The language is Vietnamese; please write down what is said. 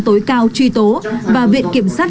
tối cao truy tố và viện kiểm sát